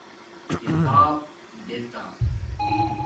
کتاپ دیتا